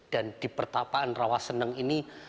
dan di pertapaan rawaseneng ini